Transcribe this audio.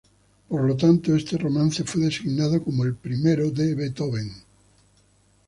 Por lo tanto, este romance fue designado como el primero de Beethoven.